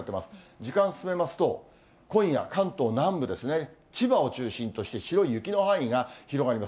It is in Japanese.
時間進めますと、今夜、関東南部ですね、千葉を中心として白い雪の範囲が広がります。